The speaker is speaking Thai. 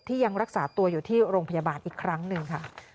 ยังรักษาตัวอยู่ที่โรงพยาบาลอีกครั้งหนึ่งค่ะ